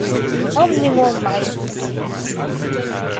Emmenez-moi au Mariott Hotel.